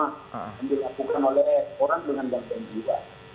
yang dilakukan oleh orang dengan bantuan jiwa